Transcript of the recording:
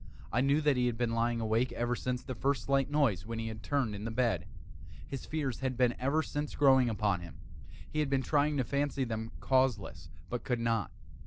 I knew that he had been lying awake ever since the first slight noise, when he had turned in the bed. His fears had been ever since growing upon him. He had been trying to fancy them causeless, but could not.